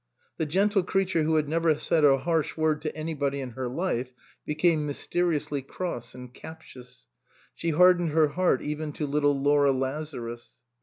The gentle creature who had never said a harsh word to anybody in her life became mysteriously cross and captious. She hardened her heart even to little Laura Lazarus.